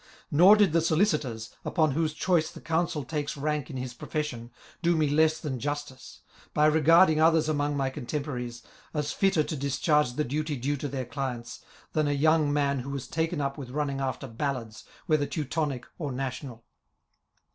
Nor did the solicitors, upon whose choice the counsel takes rank in his profes sion, do me less than justice, by regarding others among my contemporaries as fitter to discharge the duty due to their clients, than a young man who was taken up with running after ballads, whether Teutonic or national.